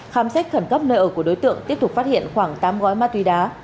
khám xét khẩn cấp nơi ở của đối tượng tiếp tục phát hiện khoảng tám gói ma túy đá